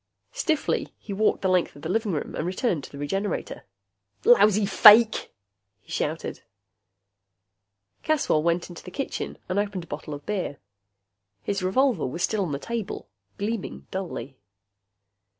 Stiffly he walked the length of the living room and returned to the Regenerator. "Lousy fake!" he shouted. Caswell went into the kitchen and opened a bottle of beer. His revolver was still on the table, gleaming dully.